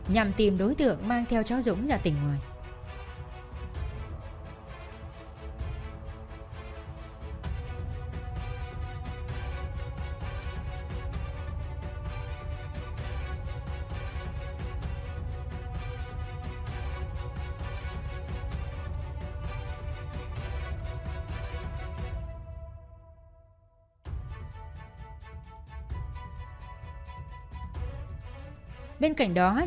nhằm tìm đối tượng mang theo cháu dũng ra tỉnh ngoài